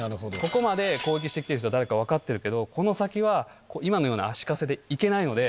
ここまで攻撃してきてる人、誰か分かってるけど、この先は今のような足かせで行けないので。